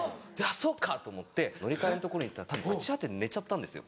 そうか！と思って乗り換えの所に行ったら朽ち果てて寝ちゃったんですよ。